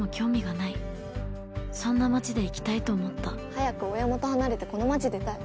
早く親元離れてこの町出たい。